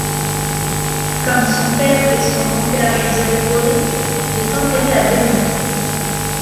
Comme son père et son grand-père Joseph Rollet, il est enterré à Beynost.